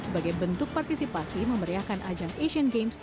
sebagai bentuk partisipasi memeriahkan ajang asean games dua ribu delapan belas